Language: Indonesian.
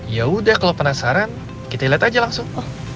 ya udah kalau penasaran kita lihat aja langsung